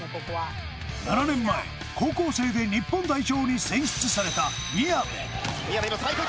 ７年前高校生で日本代表に選出された宮部宮部のサイド